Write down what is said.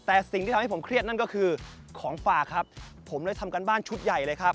แต่สิ่งที่ทำให้ผมเครียดนั่นก็คือของฝากครับผมเลยทำการบ้านชุดใหญ่เลยครับ